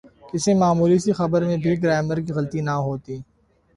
کسی معمولی سی خبر میں بھی گرائمر کی غلطی نہ ہوتی۔